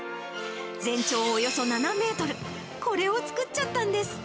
全長およそ７メートル、これを作っちゃったんです。